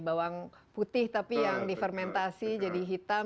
bawang putih tapi yang difermentasi jadi hitam